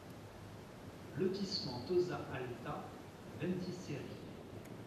Lotissement Tozza Alta, Ventiseri